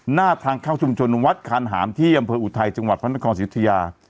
หน้าทางเข้าชุมชนวัดคานหามที่อำเภออุทัยจังหวัดพระนครสิทธิยา